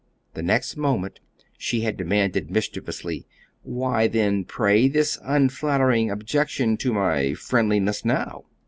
The next moment she had demanded mischievously: "Why, then, pray, this unflattering objection to my friendliness now?"